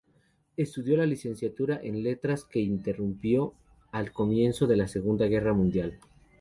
Estudió la licenciatura en letras, que interrumpió al comienzo de la Segunda Guerra Mundial.